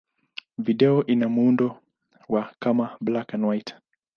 Video ina muundo wa kama black-and-white.